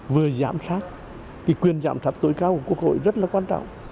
vừa giảm sát thì quyền giảm sát tối cao của quốc hội rất là quan trọng